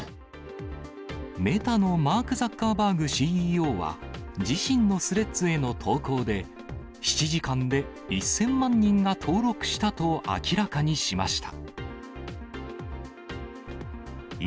メタのマーク・ザッカーバーグＣＥＯは、自身のスレッズへの投稿で、７時間で１０００万人が登録したと明らかにしました。